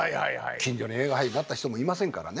近所に映画俳優になった人もいませんからね。